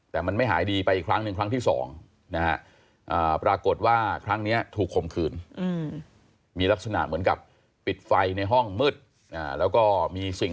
แต่มันไม่หายดีไปอีกครั้งหนึ่งครั้งที่สอง